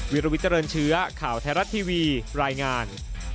วิลวิเจริญเชื้อข่าวไทยรัฐทีวีรายงาน